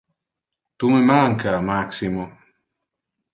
Tu me manca, Maximo.